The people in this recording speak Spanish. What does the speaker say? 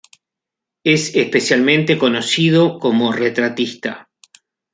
Es especialmente conocido como retratista.